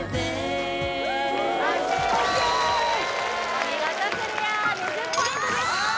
お見事クリア２０ポイントです